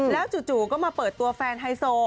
แล้วจู่ก็มาเปิดตัวแฟนไฮโซ